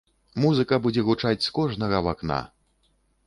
Музыка будзе гучаць з кожнага вакна!